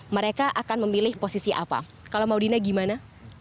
mereka akan memilih posisi apa kalau maudina gimana